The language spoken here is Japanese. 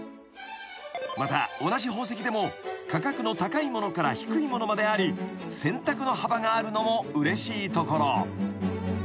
［また同じ宝石でも価格の高いものから低いものまであり選択の幅があるのもうれしいところ］